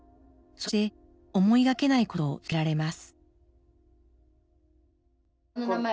そして思いがけないことを告げられます。